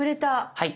はい。